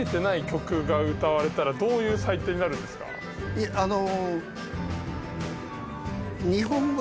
いえあの。